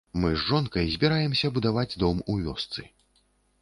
Мы з жонкай збіраемся будаваць дом у вёсцы.